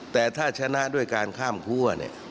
แต่ถ้าชนะด้วยการข้ามคั่ว